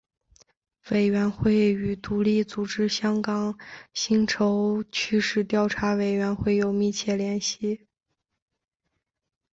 委员会与独立组织香港薪酬趋势调查委员会有密切联系。